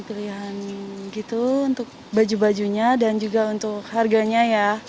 pilihan gitu untuk baju bajunya dan juga untuk harganya ya